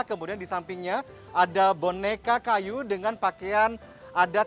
kemudian di sampingnya ada boneka kayu dengan pakaian adat